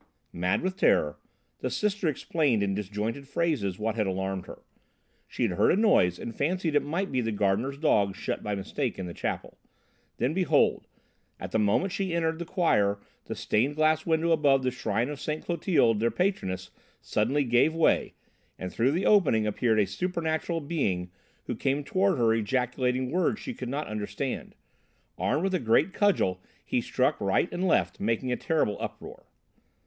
Mad with terror, the Sister explained in disjointed phrases what had alarmed her. She had heard a noise and fancied it might be the gardener's dog shut by mistake in the chapel. Then behold! At the moment she entered the choir the stained glass window above the shrine of St. Clotilde, their patroness, suddenly gave way, and through the opening appeared a supernatural being who came toward her ejaculating words she could not understand. Armed with a great cudgel, he struck right and left, making a terrible uproar.